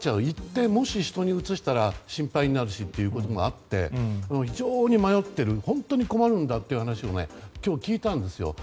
行って人にうつしたら心配になるしということがあって非常に迷っている本当に困るんだという話を今日、聞いたんですよ。